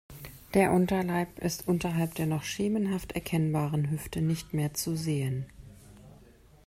Der Unterleib ist unterhalb der noch schemenhaft erkennbaren Hüfte nicht mehr zu sehen.